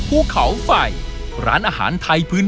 ไปที่เขาไฟด้วยครับครับกุ้ง